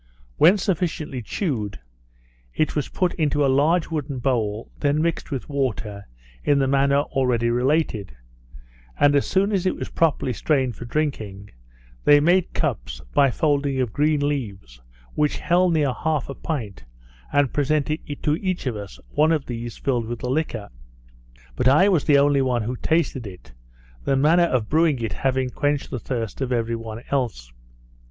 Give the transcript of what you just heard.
When sufficiently chewed, it was put into a large wooden bowl; then mixed with water, in the manner already related; and as soon as it was properly strained for drinking, they made cups, by folding of green leaves, which held near half a pint, and presented to each of us one of these filled with the liquor. But I was the only one who tasted it; the manner of brewing it having quenched the thirst of every one else.